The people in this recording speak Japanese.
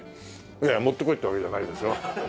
いや持ってこいってわけじゃないですよ。